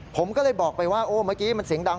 ผมก็เลยบอกไปว่าโอ้เมื่อกี้มันเสียงดัง